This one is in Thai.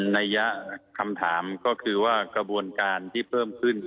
ในยะคำถามก็คือว่ากระบวนการที่เพิ่มขึ้น